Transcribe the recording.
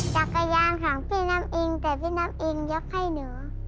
จักรยานของพี่น้ำอิงกับพี่น้ำอิงยกให้หนู